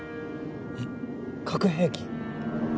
えっ核兵器？